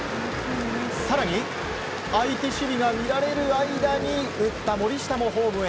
更に、相手守備が乱れる間に打った森下もホームへ。